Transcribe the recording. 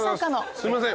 すいません。